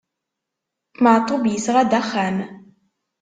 Maɛṭub yesɣa-d axxam.